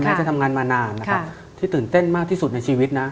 จะทำงานมานานนะครับที่ตื่นเต้นมากที่สุดในชีวิตนะ